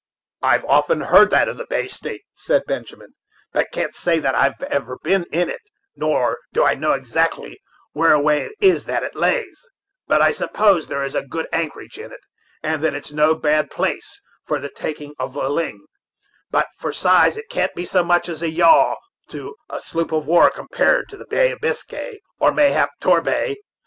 "I've often heard of that Bay of State," said Benjamin, "but can't say that I've ever been in it, nor do I know exactly whereaway it is that it lays; but I suppose there is good anchorage in it, and that it's no bad place for the taking of ling; but for size it can't be so much as a yawl to a sloop of war compared with the Bay of Biscay, or, mayhap, Torbay.